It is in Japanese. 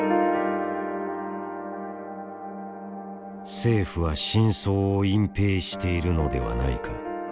政府は真相を隠ぺいしているのではないか。